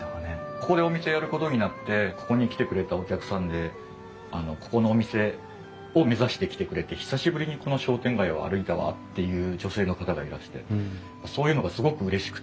ここでお店やることになってここに来てくれたお客さんでここのお店を目指して来てくれて「久しぶりにこの商店街を歩いたわ」っていう女性の方がいらしてそういうのがすごくうれしくて。